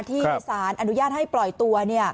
ที่สารอนุญาตให้ปล่อยตัว